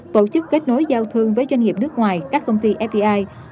tổ chức kết nối giao thương với doanh nghiệp nước ngoài các công ty fdi